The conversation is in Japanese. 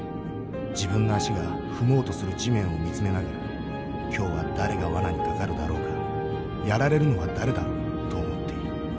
自分の足が踏もうとする地面を見つめながら今日は誰が罠に掛かるだろうかやられるのは誰だろうと思っている。